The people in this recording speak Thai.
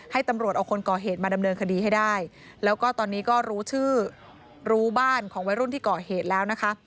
ให้ตำรวจเอาคนก่อเหตุมาดำเนินคดีให้ได้แล้วก็ตอนนี้ก็รู้ชื่อรู้บ้านของวัยรุ่นที่ก่อเหตุแล้วนะคะ